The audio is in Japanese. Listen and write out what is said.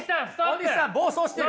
大西さん暴走してる。